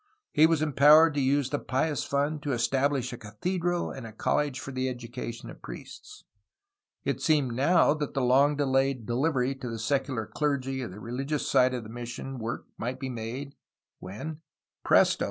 He was empowered to use the Pious Fund to establish a cathedral and a college for the education of priests. It seemed now that the long delayed delivery to the secular clergy of the religious side of mission work might be made, when — presto!